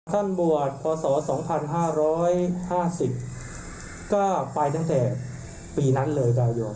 ท่านบวชพระศูนย์สองพันห้าร้อยห้าสิบก็ไปตั้งแต่ปีนั้นเลยครับ